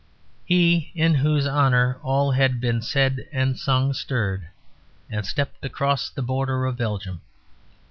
He in whose honour all had been said and sung stirred, and stepped across the border of Belgium.